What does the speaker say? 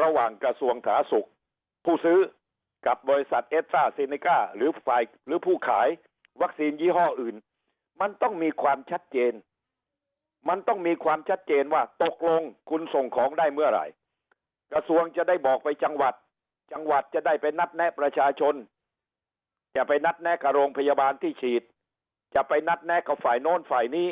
ระหว่างกระทรวงสาธารณสุขผู้ซื้อกับบริษัทเอสซ่าซีนิก้าหรือฝ่ายหรือผู้ขายวัคซีนยี่ห้ออื่นมันต้องมีความชัดเจนมันต้องมีความชัดเจนว่าตกลงคุณส่งของได้เมื่อไหร่กระทรวงจะได้บอกไปจังหวัดจังหวัดจะได้ไปนัดแนะประชาชนจะไปนัดแนะกับโรงพยาบาลที่ฉีดจะไปนัดแนะกับฝ่ายโน้นฝ่ายนี้